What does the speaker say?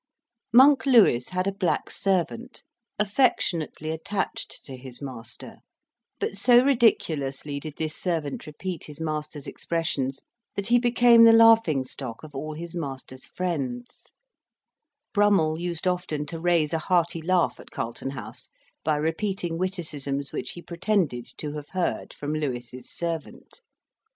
"Monk" Lewis had a black servant, affectionately attached to his master; but so ridiculously did this servant repeat his master's expressions, that he became the laughing stock of all his master's friends: Brummell used often to raise a hearty laugh at Carlton House by repeating witticisms which he pretended to have heard from Lewis's servant.